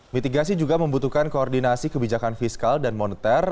mitigasi juga membutuhkan koordinasi kebijakan fiskal dan moneter